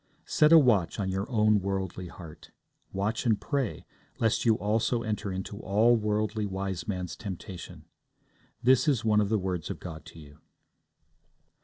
Set a watch on your own worldly heart. Watch and pray, lest you also enter into all Worldly Wiseman's temptation. This is one of the words of God to you.